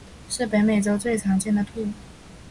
是北美洲最常见的兔。